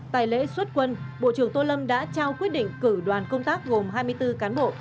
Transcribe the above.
tại lễ xuất quân bộ trưởng tô lâm đã trao quyết định cử đoàn công tác gồm hai mươi bốn cán bộ